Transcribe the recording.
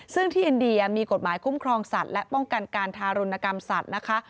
ซึ่งที่อินเดียมีกฎหมายคุ้มครองสัตว์และป้องกันการทารุณกรรมสัตว์นะคะ